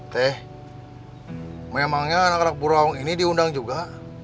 teh memangnya anak anak burung ini diundang juga